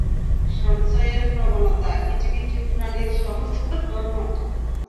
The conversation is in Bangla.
সঞ্চয়ের প্রবণতা কিছু কিছু প্রাণীর সহজাত ধর্ম।